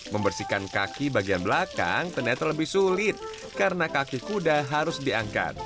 membersihkan kaki bagian belakang ternyata lebih sulit karena kaki kuda harus diangkat